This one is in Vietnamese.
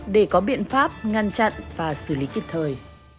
để có biện pháp ngăn chặn và xử lý kịp thời